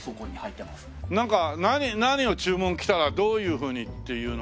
なんか何を注文来たらどういうふうにっていうの。